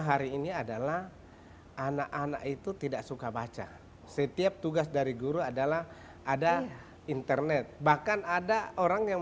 hari ini adalah anak anak itu tidak suka baca setiap tugas dari guru adalah ada internet bahkan ada orang yang